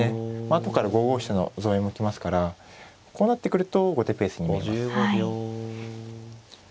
あとから５五飛車の増援も来ますからこうなってくると後手ペースに見えます。